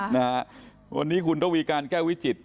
วันนี้คุณทวีการแก้วิจิต